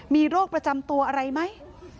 มีโรคประจำตัวอะไรไหม